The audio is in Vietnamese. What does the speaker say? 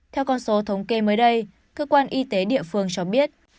theo con số thống kê mới đây cơ quan y tế địa phương cho biết